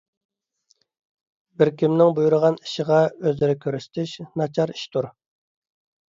بىر كىمنىڭ بۇيرۇغان ئىشىغا ئۆزرە كۆرسىتىش ناچار ئىشتۇر